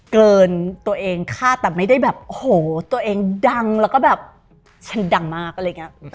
เกินตัวเองคาดแต่ไม่ได้แบบโอ้โหตัวเองดังแล้วก็แบบฉันดังมากอะไรอย่างนี้